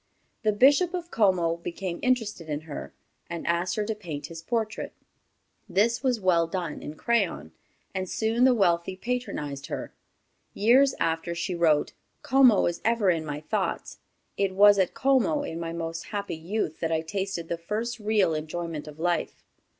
The Bishop of Como became interested in her, and asked her to paint his portrait. This was well done in crayon, and soon the wealthy patronized her. Years after, she wrote: "Como is ever in my thoughts. It was at Como, in my most happy youth, that I tasted the first real enjoyment of life."